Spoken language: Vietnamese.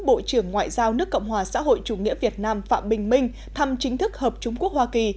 bộ trưởng ngoại giao nước cộng hòa xã hội chủ nghĩa việt nam phạm bình minh thăm chính thức hợp trung quốc hoa kỳ